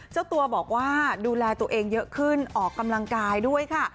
เจ้าตัวบอกว่าดูแลตัวเองเยอะขึ้นออกกำลังกายด้วยค่ะ